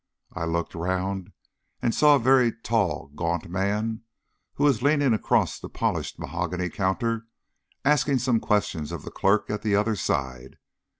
I looked round and saw a very tall, gaunt man, who was leaning across the polished mahogany counter asking some questions of the clerk at the other side.